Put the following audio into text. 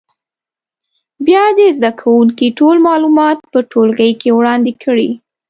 بیا دې زده کوونکي ټول معلومات په ټولګي کې وړاندې کړي.